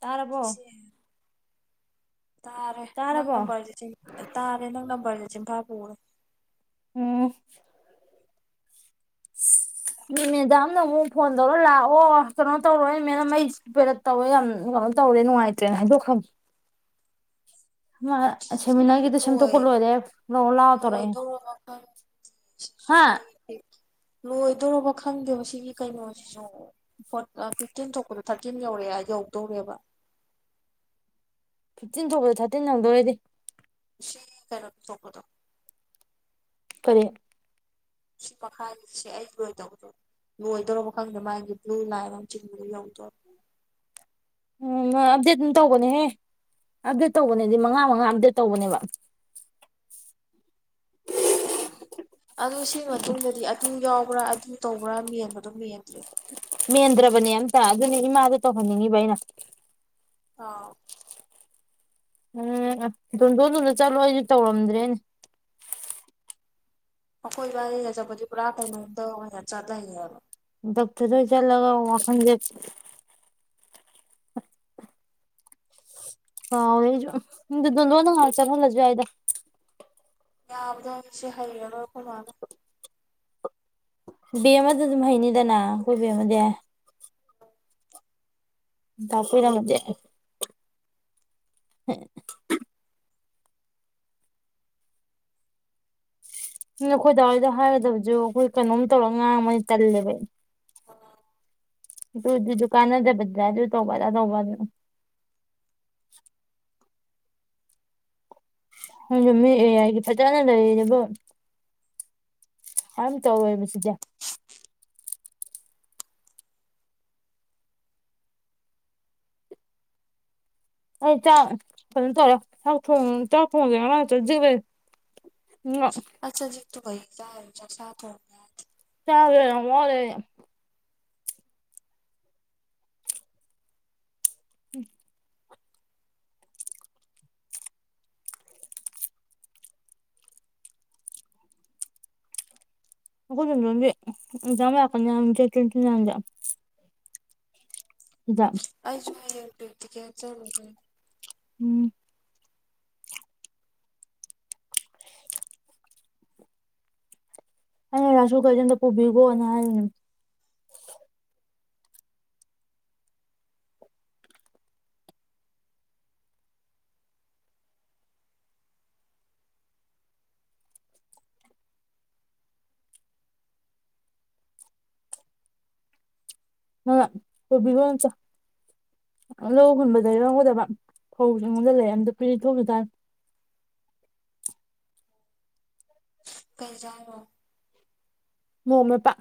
ꯇꯥꯔꯕꯣ ꯆꯤꯆꯦ ꯇꯥꯔꯦ ꯅꯪ ꯇꯥꯔꯕꯣ ꯅꯝꯕꯔꯁꯦ ꯆꯤꯝ ꯇꯥꯔꯦ ꯅꯪ ꯅꯝꯕꯔꯁꯦ ꯆꯤꯟꯐꯥ ꯄꯨꯕꯅꯦ ꯎꯝ [inaudible] ꯃꯤ ꯃꯦꯗꯥꯝꯗ ꯑꯃꯨꯛ ꯐꯣꯟ ꯇꯧꯔ ꯂꯥꯛꯑꯣ ꯀꯩꯅꯣ ꯇꯧꯔꯣꯅꯦ ꯃꯦꯝ ꯑꯩ ꯄꯦꯔꯠ ꯇꯧꯋꯦ ꯌꯥꯝ ꯀꯅꯣ ꯇꯧꯔꯦ ꯅꯨꯡꯉꯥꯏꯇ꯭ꯔꯦꯅ ꯍꯥꯏꯗꯣꯛꯈ꯭ꯔꯕꯅꯦ ꯃꯥ ꯆꯤꯆꯦ ꯁꯤꯁꯨ ꯁꯦꯃꯤꯅꯥꯔꯒꯤꯗꯣ ꯂꯣꯏ ꯁꯦꯝꯝꯇꯣꯛꯄ ꯂꯣꯏꯔꯦ ꯂꯧꯔꯨ ꯂꯥꯛꯑꯣ ꯇꯧꯔꯛꯑꯦ ꯁꯤ ꯍꯥ ꯁ꯭ꯋꯥꯢ ꯇꯦ ꯂꯣꯏꯗꯣꯏꯔꯕ ꯈꯪꯗꯦꯕ ꯁꯤꯒꯤ ꯀꯩꯅꯣꯁꯤꯁꯨ ꯐꯣꯔꯠ ꯑ ꯐꯤꯐꯇꯤꯟ ꯊꯣꯛꯄꯗꯣ ꯊꯥ꯭ꯔꯇꯤꯟ ꯌꯧꯔꯛꯑꯦ ꯍꯥꯏ ꯌꯧꯗꯧꯔꯦꯕ ꯐꯤꯐꯇꯤꯟ ꯊꯣꯛꯕꯗ ꯊꯥ꯭ꯔꯇꯤꯟ ꯅꯪꯗꯣꯏꯔꯦꯗꯤ ꯁꯤ ꯀꯦꯅꯣꯗ ꯊꯣꯛꯄꯗꯣ ꯄꯔꯦ ꯁꯤ ꯃꯈꯥꯒꯤꯁꯦ ꯑꯩ ꯂꯣꯏꯗꯧ ꯂꯣꯏꯗꯣꯔꯕ ꯈꯪꯗꯦ ꯃꯥꯒꯤ ꯕ꯭ꯂꯨ ꯂꯥꯏꯟ ꯑꯃ ꯆꯤꯡꯕꯗꯨ ꯌꯧꯗꯣꯔꯝ ꯎꯝ ꯃꯥ ꯑꯞꯗꯦꯠ ꯑꯗꯨꯝ ꯇꯧꯕꯅꯦꯍꯦ ꯑꯞꯗꯦꯠ ꯇꯧꯕꯅꯦꯗꯤ ꯃꯉꯥ ꯃꯉꯥ ꯑꯞꯗꯦꯠ ꯇꯧꯕꯅꯦꯕ [inaudible] ꯑꯗꯨ ꯁꯤꯒꯤ ꯃꯇꯨꯡꯗꯗꯤ ꯑꯗꯨ ꯌꯥꯎꯕ꯭ꯔꯥ ꯑꯗꯨ ꯇꯧꯕ꯭ꯔꯥ ꯃꯦꯟꯕꯗꯣ ꯃꯦꯟꯗ꯭ꯔꯦ ꯃꯦꯟꯗ꯭ꯔꯕꯅꯦ ꯑꯝꯇ ꯑꯗꯨꯅꯤ ꯏꯃꯥꯗ ꯇꯧꯍꯟꯅꯤꯡꯉꯤꯕ ꯑꯩꯅ ꯑꯥꯎ ꯎꯝ ꯗꯣꯟ ꯗꯣꯟꯗꯨꯗ ꯆꯠꯂꯣ ꯑꯩꯁꯨ ꯇꯧꯔꯝꯗ꯭ꯔꯦꯅꯦ ꯑꯩꯈꯣꯏꯕꯅꯤ ꯆꯠꯄꯗꯤ ꯄꯨꯔꯥ ꯀꯩꯅꯣꯝ ꯇꯧꯔꯒꯅꯦ ꯆꯠꯇꯣꯢꯅꯦꯕ ꯗꯣꯛꯇꯔꯗ ꯑꯣꯏꯟ ꯆꯠꯂꯒ ꯋꯥꯈꯜꯁꯦ ꯀꯥꯎꯔꯦ ꯑꯩꯁꯨ ꯑꯗꯨ ꯗꯣꯟꯗꯣꯟ ꯗꯣ ꯉꯍꯥꯛ ꯆꯪꯍꯜꯂꯁꯨ ꯌꯥꯏꯗ ꯌꯥꯕꯗꯣ ꯁꯤ ꯍꯩꯔꯔꯣꯏ ꯑꯈꯣꯏ ꯃꯥꯅꯥ ꯕꯦꯝꯃ ꯗꯗꯨꯝ ꯍꯩꯅꯤꯗꯅ ꯑꯩꯈꯣꯏ ꯕꯦꯝꯃꯗꯤ ꯇꯥꯛꯄꯤꯔꯝꯗꯦ ꯍ ꯎꯝ ꯑꯩꯈꯣꯏ ꯗꯥ ꯍꯣꯏꯗ ꯍꯥꯏꯒꯗꯕꯁꯨ ꯑꯩꯈꯣꯏ ꯀꯩꯅꯣꯝ ꯇꯧꯔꯒ ꯉꯥꯡꯕꯅꯤꯅ ꯇꯜꯂꯦꯕ ꯑꯩ ꯑꯗꯨ ꯗꯨ ꯀꯥꯟꯅꯗꯕꯗ ꯗꯨ ꯇꯧꯕ ꯑꯗꯥ ꯇꯧꯕꯅꯥ [inaudible] ꯅꯣꯏꯁꯨ ꯃꯤ ꯑꯦ ꯌꯥꯏꯒꯤ ꯐꯖꯥꯅ ꯂꯩꯔꯦꯕꯨ ꯑꯝ ꯇꯧꯔꯣꯏꯕ ꯁꯤꯗꯤ ꯑꯩ ꯆꯥꯛ ꯀꯩꯅꯣ ꯇꯧꯋꯦ ꯆꯥꯛ ꯊꯣꯡ-ꯆꯥꯛ ꯊꯣꯡꯗꯦ ꯉꯔꯥꯡ ꯆꯖꯤꯛ ꯂꯩ ꯃꯦ ꯗꯨꯒꯩ ꯆꯥꯔ ꯆꯥꯛ ꯆꯥ ꯊꯣꯡ ꯌꯥꯗ ꯅꯪꯁꯨ ꯌꯥꯝ ꯃꯣꯠꯂꯤꯅꯦ ꯎꯝ ꯑꯩꯈꯣꯏ ꯗꯣꯝꯗꯣꯟꯕꯤ ꯑꯛꯖꯥꯝ ꯂꯥꯛꯀꯅꯤ ꯍꯥꯏꯕꯅꯤ ꯗꯦꯠ ꯇ꯭ꯋꯦꯟꯇꯤ ꯅꯥꯏꯟꯗ ꯍꯤꯗꯥꯛ ꯑꯩꯁꯨ ꯍꯌꯦꯡ ꯄ꯭ꯔꯦꯛꯇꯤꯀꯦꯜ ꯆꯠꯂꯨꯗꯨꯏꯅꯤ ꯎꯝ ꯑꯩꯅ ꯔꯥꯁꯁꯨ ꯀꯩꯁꯨ ꯑꯝꯇ ꯄꯨꯕꯤꯒꯣꯅ ꯍꯥꯏꯕꯅꯦ ꯑ ꯄꯨꯕꯤꯒꯣ ꯅꯠꯇꯦ ꯍ ꯂꯧ ꯍꯨꯟꯕꯗꯩ ꯂꯧꯒꯗꯕ ꯐꯧ ꯍꯤꯡꯕꯖꯂꯛꯑꯦ ꯑꯃꯇ ꯄꯤꯊꯣꯛꯈꯤꯇꯥꯔꯦ [inaudible] ꯀꯩ ꯏꯖꯥꯡꯅꯣ ꯃꯣꯛ ꯃꯦꯠꯄ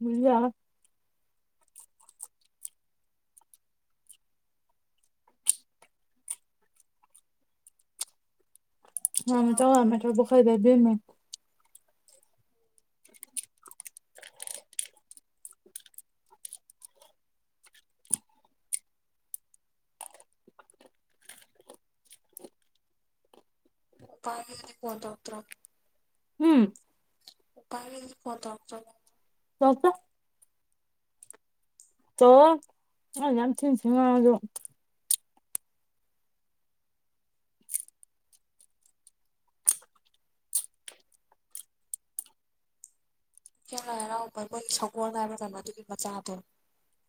ꯕꯨꯖꯤꯌꯥꯒ ꯃꯣꯛ ꯃꯦꯠ ꯆꯥꯎ ꯌꯥꯝ ꯄꯦꯇ꯭ꯔꯣꯟ ꯄꯣꯈꯥꯢꯒꯩ ꯕꯦꯝꯃ [inaudible] ꯄꯥꯗꯨꯗꯤ ꯐꯣꯟ ꯇꯧꯔꯛꯇ꯭ꯔꯣ ꯄꯥꯔꯤꯗꯤ ꯐꯣꯟ ꯇꯧꯔꯛꯇ꯭ꯔꯕꯣ ꯇꯧꯔꯛꯇꯦ ꯇꯧꯔꯛꯑꯣꯏ ꯑꯩꯅ ꯑꯗꯥꯝ ꯊꯤꯅ ꯊꯤꯅ ꯉꯥꯡꯉꯖꯨ ꯆꯦꯡ ꯂꯥꯏ ꯍꯔꯥꯎꯕ ꯑꯩꯈꯣꯏꯒꯤ ꯁꯒꯣꯜ ꯍꯥꯏꯕ꯭꯭ꯔꯥ ꯀꯩꯅꯣ ꯑꯗꯨꯒꯤ ꯃꯆꯥꯗꯣ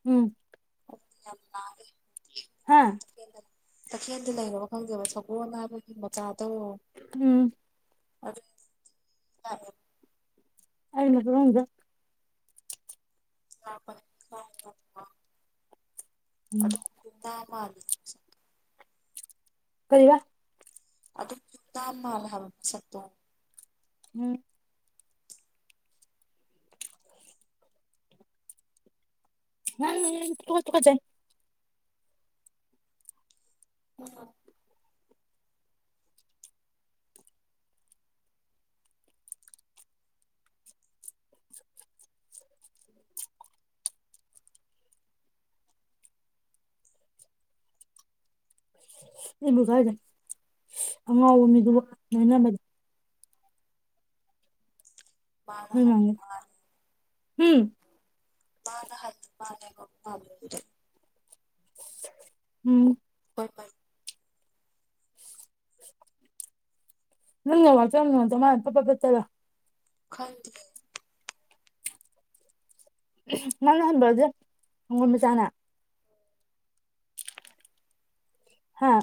ꯍꯨꯝ ꯀꯨꯛꯇꯤ ꯌꯥꯝ ꯂꯥꯎꯋꯦ ꯇꯦ ꯍꯥ ꯇꯈꯦꯜꯗ ꯂꯩꯔꯕ ꯈꯪꯗꯦꯕ ꯁꯒꯣꯜ ꯍꯥꯏꯕꯒꯤ ꯃꯆꯥꯗꯧ ꯎꯝ ꯑꯗꯨ [unintelligible] ꯑꯩ ꯃꯗꯨ ꯈꯪꯗꯦ ꯂꯥꯛꯄꯅꯦ [unintelligible] ꯎꯝ ꯑꯗꯨ ꯄꯤꯇꯥ ꯃꯥꯜꯂꯦ ꯀꯩꯕ ꯑꯗꯨꯛ ꯇꯥ ꯃꯥꯜꯂꯦ ꯍꯥꯏꯕ ꯃꯤꯁꯛꯇꯣ ꯍꯨꯝ ꯅꯪꯅꯦ ꯑꯩꯅ ꯇꯨꯀꯠ-ꯇꯨꯀꯠꯆꯩ [unintelligible] ꯏꯕꯨ ꯏꯀꯥꯏꯗꯦ ꯑꯉꯥꯎꯕ ꯃꯤꯗꯨꯒ ꯂꯣꯏꯅꯕꯗꯤ ꯃꯥꯅ ꯍꯟꯃꯥꯜꯂꯤ ꯍꯨꯝ ꯃꯥꯅ ꯍꯟ ꯃꯥꯜꯂꯦꯕ ꯃꯥꯟꯕꯕꯨꯗꯤ ꯍꯨꯝ [unintelligible] ꯅꯪꯅ ꯋꯥꯖꯕꯅꯦ ꯑꯗꯣ ꯃꯥꯥꯅ ꯐꯠ ꯐꯠ ꯇꯠꯆꯔ ꯈꯪꯗꯤꯌꯦ ꯅꯪꯅ ꯍꯟꯕ꯭ꯔꯗꯤ ꯁꯡꯒꯣꯟ ꯃꯆꯥꯅ ꯍꯥꯥ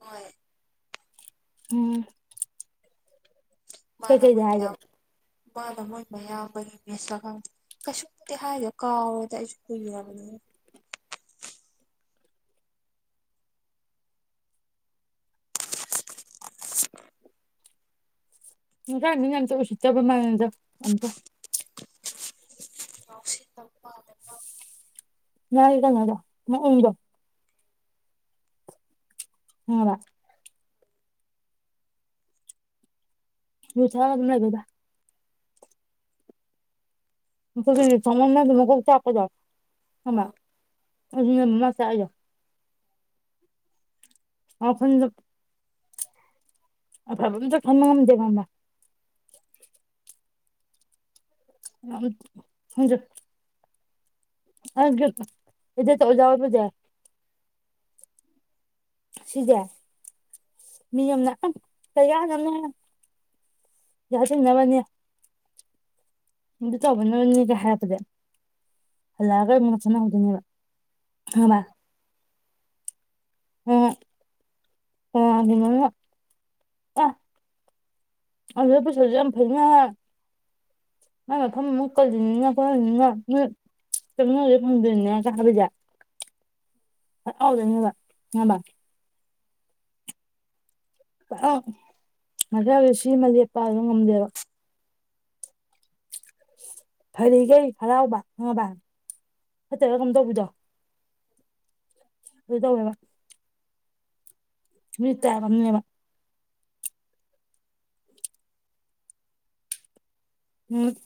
ꯍꯣꯏ ꯎꯝ ꯃꯥꯅ ꯀꯩꯀꯩꯗ ꯃꯣꯏ ꯍꯥꯏꯒꯦ ꯃꯌꯥꯝ ꯃꯥꯅ ꯃꯣꯏ ꯃꯌꯥꯝꯕꯒꯤ ꯃꯤꯁꯂ ꯈꯪꯗꯦ ꯀꯩꯁꯨꯝꯕꯨꯗꯤ ꯍꯥꯏꯗꯣ ꯀꯥꯎꯔꯦꯗ ꯑꯩꯁꯨ ꯀꯨꯏꯔꯕꯅꯤꯅ ꯍꯤꯡꯖꯥꯡꯅꯤꯉꯥꯢ ꯑꯝꯇ ꯎꯁꯤꯠꯇꯕ ꯃꯥꯜꯂꯤꯗ ꯑꯝꯇ ꯉꯥꯎꯁꯤꯟꯅꯕ ꯃꯥꯜꯂꯦ ꯅꯪ ꯃꯒꯤ ꯀꯩꯅꯣꯗꯣ ꯅꯪ ꯏꯔꯣ ꯈꯪꯉꯥꯕ ꯌꯨ ꯇꯛꯑ ꯑꯗꯨꯝ ꯂꯩꯕꯅꯤꯗ ꯃꯀꯣꯛꯇꯣ ꯑꯣꯢꯅ ꯆꯥꯎꯃꯟꯗꯅ ꯃꯀꯣꯛ ꯆꯥꯛꯄꯗꯣ ꯈꯪꯕ ꯑꯗꯨꯅꯦꯕ ꯃꯥ ꯆꯥꯛꯢꯗꯣ ꯑꯥꯎ ꯈꯨꯟꯂꯛ ꯑꯐꯕ ꯑꯝꯇ ꯈꯟꯕ ꯉꯝꯗꯦ ꯈꯪꯕ꯭ꯔꯥ ꯑꯝ ꯈꯪꯗ꯭ꯔꯦ ꯑꯩꯗꯤ ꯑꯗꯨꯗ ꯑꯣꯖꯥ ꯑꯣꯢꯕꯖꯦ ꯁꯤꯖꯦ ꯃꯤ ꯑꯃꯅ ꯎꯝ ꯀꯩ ꯀꯥꯟꯅꯕꯅꯣꯍꯦ ꯄꯩꯁꯥ ꯁꯤꯡꯅꯕꯅꯤ ꯏꯗꯤꯠ ꯇꯧꯕꯅꯅꯤ ꯀꯥꯢ ꯍꯥꯏꯔꯛꯄꯁꯦ ꯍꯜꯂꯛꯑꯒ ꯃꯨ ꯀꯣꯢꯁꯟ ꯍꯪꯗꯣꯢꯅꯦꯕ ꯈꯪꯉꯕ ꯍꯣꯢ ꯌꯥꯗꯦ ꯍꯥꯢꯔꯒ ꯑꯥ ꯑꯗꯨꯗ ꯄꯨꯁꯜꯂꯁꯨ ꯌꯥꯝ ꯐꯩꯅ ꯃꯥꯢ ꯃꯐꯝ ꯑꯃ ꯀꯜꯂꯤꯅꯤꯅꯦ ꯈꯣꯠꯂꯤꯅꯤꯅꯦ ꯅꯣꯏ ꯆꯪꯅꯒꯦ ꯐꯪꯗ꯭ꯔꯤꯅꯦꯒ ꯍꯥꯢꯕꯁꯦ ꯍꯥꯔꯥꯎꯗꯣꯢꯅꯦꯕ ꯈꯪꯉꯕ ꯑꯥꯑꯥ ꯃꯁꯥꯒꯤ ꯁꯤ ꯑꯃ ꯂꯦꯞꯄ ꯍꯥꯢꯗꯣ ꯉꯝꯗꯦꯕ ꯐꯔꯤꯒꯩ ꯍꯔꯥꯎꯕ ꯈꯪꯉꯕ ꯐꯠꯇ꯭ꯔꯥꯒ ꯀꯩꯅꯣ ꯇꯧꯕꯤꯗꯣ ꯑꯗꯨ ꯇꯧꯋꯦꯕ ꯃꯤ ꯇꯥꯢꯞ ꯑꯃꯅꯦꯕ ꯎꯝ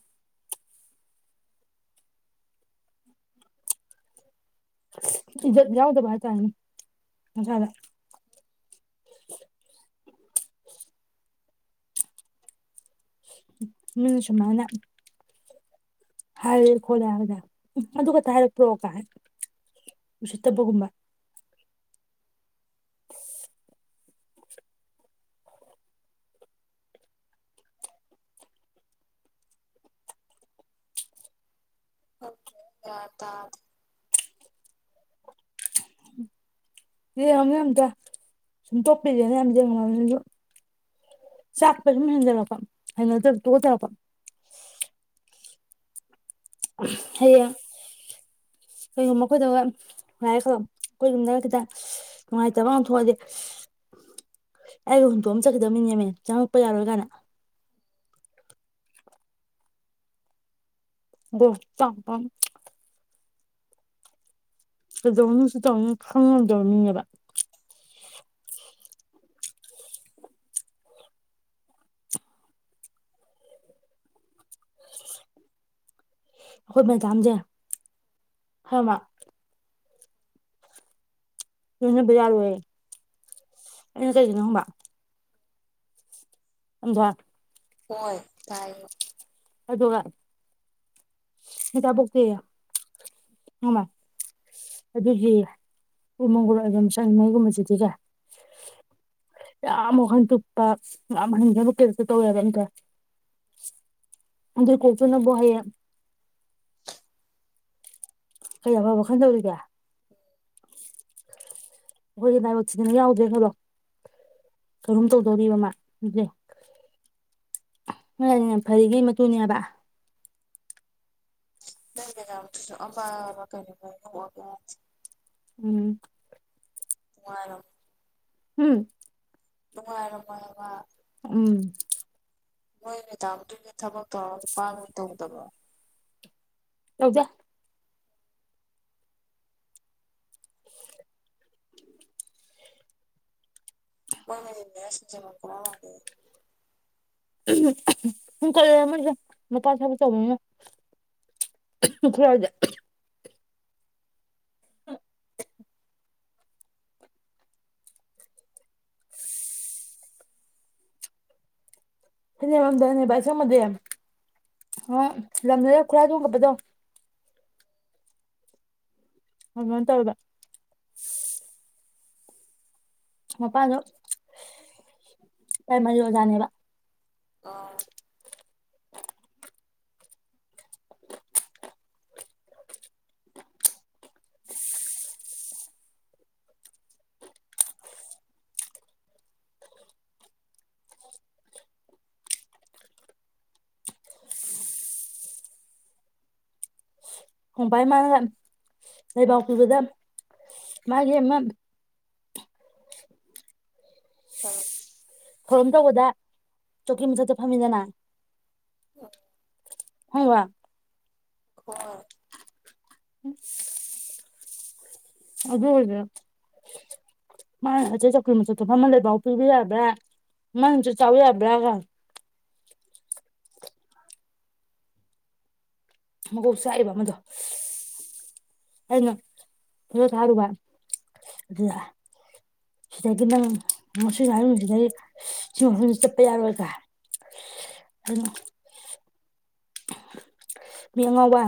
ꯏꯖꯠ ꯌꯥꯎꯗꯕ ꯍꯥꯢꯇꯔꯦꯅꯦ ꯃꯁꯥꯗ ꯃꯤꯅ ꯁꯨꯝꯃꯥꯢꯅ ꯍꯥꯏꯌꯦ ꯈꯣꯠꯂꯦ ꯍꯥꯏꯕꯁꯦ ꯎꯝ ꯑꯗꯨ ꯈꯛꯇ ꯍꯥꯏꯔꯛꯄ꯭ꯔꯣ ꯀꯥꯏ ꯎꯁꯤꯠꯇꯕꯒꯨꯝꯕ ꯑꯛ ꯒ꯭ꯌꯥꯟ ꯇꯥꯗꯦ ꯌꯦꯡꯉꯨꯅꯦ ꯑꯃꯇ ꯁꯨꯝ ꯇꯣꯞꯄꯤꯔꯦꯅ ꯑꯃꯇꯥ ꯌꯦꯡꯉꯨ ꯅꯪꯁꯨ ꯆꯥꯛꯄꯁꯨꯝ ꯍꯦꯟꯖꯜꯂꯛꯄ ꯍꯩꯅꯗꯕ ꯇꯨꯀꯠꯆꯔꯛꯄ ꯍꯝ ꯍꯌꯦꯡ ꯀꯩꯒꯨꯝꯕ ꯑꯩꯈꯣꯏꯗꯒꯥ ꯂꯥꯛꯑꯦ ꯈꯜꯂꯣ ꯑꯈꯣꯢ ꯌꯨꯝꯅꯒ ꯈꯠꯇꯥ ꯅꯨꯡꯉꯥꯏꯇꯕ ꯑꯃ ꯊꯣꯛꯑꯗꯤ ꯑꯩꯒ ꯍꯨꯟꯇꯣꯛ ꯑꯃꯃꯥ ꯆꯠꯈꯤꯗꯧꯕ ꯃꯤꯅꯦꯃꯤ ꯆꯪꯉꯛꯄ ꯌꯥꯔꯣꯏ ꯀꯥꯏꯅ ꯕꯣꯇꯥꯛꯄꯝ ꯀꯩꯗꯧꯅꯤ ꯁꯤꯇꯧꯅꯤ ꯈꯪꯗꯕ ꯃꯤꯅꯦꯕ ꯑꯈꯣꯏ ꯃꯦꯗꯥꯝꯖꯦ ꯈꯪꯉꯕ ꯂꯣꯏꯅꯕ ꯍꯥꯔꯣꯢꯌꯦ ꯑꯩꯅ ꯀꯩꯒꯤꯅꯣ ꯍꯪꯕ ꯑꯝꯖꯥ ꯍꯣꯏ ꯇꯥꯏꯌꯦ ꯑꯗꯨꯒ ꯃꯆꯥ ꯄꯣꯛꯇꯦꯌꯦ ꯑꯃ ꯑꯗꯨꯒꯤ ꯇꯨꯝ ꯍꯧꯒꯠꯂ ꯃꯤꯁꯜ ꯍꯣꯢꯒꯨꯝꯕ ꯁꯤꯇꯤꯖꯦ ꯆꯥ ꯃꯨꯛ ꯍꯟꯗꯣꯛꯄ [unintelligible] ꯑꯗꯨꯢ ꯀꯣꯛꯇꯨꯅꯕꯨ ꯍꯌꯦꯡ ꯀꯩ ꯑꯐꯕ ꯈꯟꯗꯧꯔꯤꯒꯦ ꯍꯣꯏ ꯅꯤ ꯍꯥꯢꯕ ꯊꯤꯟꯅ ꯌꯥꯎꯗ꯭꯭ꯔꯦ ꯍꯣꯢꯔꯣꯡ ꯊꯧꯔꯝ ꯇꯧꯗꯣꯔꯤꯕ ꯃꯥ ꯁꯤꯖ ꯅꯣꯏꯅꯦ ꯐꯔꯤꯒꯩ ꯃꯇꯨꯅꯦꯕ ꯅꯪ ꯃꯗꯥꯝꯁꯤꯁꯨ ꯑꯃ ꯕ ꯀꯩꯅꯣ ꯈꯡꯗꯦ ꯑꯣꯢꯕ ꯌꯥꯢ ꯎꯝ ꯀꯨꯋꯔꯣ ꯎꯝ ꯅꯨꯡꯉꯥꯢꯔꯝꯃꯣꯢ ꯍꯥꯢꯕ ꯎꯝ ꯃꯣꯏ ꯃꯦꯗꯥꯝꯗꯨꯒꯤ ꯊꯕꯛ ꯇꯧꯔ ꯅꯨ ꯄꯥꯗꯨꯅ ꯇꯧꯗꯕ꯭ꯔꯣ ꯇꯧꯗꯦ ꯃꯣꯏ ꯃꯤꯂꯤꯅꯦꯌ꯭ꯔ ꯁꯤꯡꯖꯦ [unintelligible] ꯄꯨꯡ ꯀꯣꯂꯦ ꯑꯃꯁꯦ ꯃꯄꯥ ꯊꯕꯛ ꯇꯧꯕꯅꯤꯅ ꯂꯣꯛ ꯈꯨ ꯌꯥꯗꯦ ꯊꯅꯦꯕꯝ ꯗꯅꯦꯕ ꯑꯁꯪꯕꯗꯤ ꯍꯣꯢ ꯂꯝꯗ ꯂꯥ ꯈꯨꯠꯂꯥꯏ ꯒꯨꯝꯕꯄꯗꯣ ꯅꯣꯕ ꯇꯩꯔꯦꯕ ꯃꯄꯥꯗꯣ ꯄ꯭ꯔꯥꯝꯃꯔꯤ ꯑꯣꯥꯖꯥꯅꯦꯕ ꯑ ꯈꯣꯡꯕꯥꯏ ꯃꯥꯅ ꯂꯩꯕꯥꯎ ꯄꯤꯕꯗ ꯃꯥꯒꯤ ꯑꯃ ꯑ ꯊꯧꯔꯣꯝ ꯇꯧꯕꯗ ꯆꯣꯀꯤ ꯃꯊꯛꯇ ꯐꯝꯃꯤꯗꯅ ꯑ ꯍꯩ ꯋꯥ ꯍꯣꯏ [unintelligible] ꯑꯗꯣ ꯑꯣꯢꯗꯣꯢꯔ ꯃꯥꯅ ꯍꯖꯤꯛ ꯆꯧꯀꯤ ꯃꯊꯛꯇ ꯐꯝꯃ ꯂꯩꯕꯥꯎ ꯄꯤꯕꯤ ꯌꯥꯕ꯭ꯔꯥ ꯃ ꯍꯖꯤꯛ ꯆꯥꯕ ꯌꯥꯕ꯭ꯔꯒ ꯃꯒꯣꯛ ꯆꯥꯛꯏꯕ ꯑꯃꯗꯣ ꯑꯩꯅ ꯕꯤꯗꯤꯑꯣ ꯊꯒꯤꯕ ꯑꯗꯨꯗꯣ ꯁꯤꯗꯒꯤ ꯅꯪ ꯃꯁꯤꯒ ꯍꯥꯏꯔꯨꯗꯤ ꯅꯦ ꯑꯩ ꯁꯤ ꯃꯐꯝꯁꯦ ꯆꯠꯄ ꯌꯥꯔꯣꯏꯀ ꯑꯗ ꯃꯤ ꯑꯉꯥꯎꯕ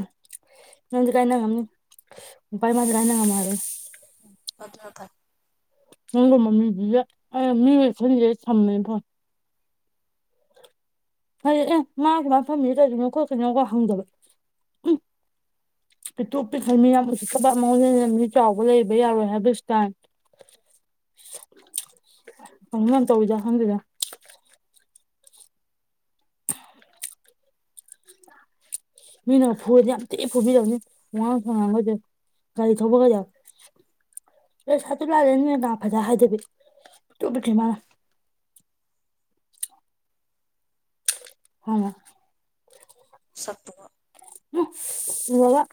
ꯅꯪꯁꯨ ꯀꯥꯏꯅ ꯉꯝꯅꯤ ꯅꯨꯄꯥ ꯃꯗꯤ ꯀꯥꯏꯅ ꯉꯝꯃꯣꯢ ꯍꯥꯢꯕ ꯑꯩꯅ ꯑꯗꯨꯅ ꯐꯩ ꯅꯪꯒꯨꯝꯕ ꯃꯤꯗꯤꯅꯦ ꯑꯩꯅ ꯃꯤ ꯑꯣꯢ ꯈꯟꯗꯦ ꯍ ꯊꯝꯃꯦ ꯐꯣꯟ ꯐꯩꯌꯦ ꯑꯦ ꯃꯥ ꯁꯃꯥꯢ ꯐꯝꯃꯤꯖꯦ ꯀꯩꯒꯤꯅꯣ ꯈꯣꯠꯀꯅꯣ ꯀ ꯍꯪꯗꯕ ꯎꯝ ꯄꯤꯛꯇꯨ꯭ꯔꯛ ꯄꯤꯛꯈꯩ ꯃꯤ ꯌꯥꯝ ꯎꯁꯤꯠꯇꯕ ꯑꯃꯒ ꯉꯝꯃꯤ ꯀꯥꯎꯕ ꯂꯩꯕ ꯌꯥꯔꯣꯏ ꯍꯥꯏꯕꯁ꯭ꯇꯥꯏꯟ [inaudible] ꯀꯩꯅꯣꯝ ꯇꯧꯏꯗ ꯈꯪꯗꯦꯗ ꯃꯤꯅ ꯐꯨꯨꯔꯗꯤ ꯌꯥꯝ ꯊꯤ ꯐꯨꯕꯤꯔꯛꯅꯤ ꯋꯥꯉꯥꯡ ꯁꯉꯥꯡꯒꯁꯦ ꯒꯥꯔꯤ ꯊꯕꯒ ꯌꯥꯢ ꯑ ꯁꯥꯇꯨ ꯂꯥꯛꯂꯦ ꯃꯦꯗꯥꯝ ꯐꯖ ꯍꯥꯏꯗꯨꯗꯤ ꯄꯤꯛꯇꯨ ꯄꯤꯛꯈꯩ ꯃꯥꯅ ꯍꯥꯅ ꯁꯛꯇꯨꯒ ꯎꯝ ꯆꯨꯝꯃꯕꯥ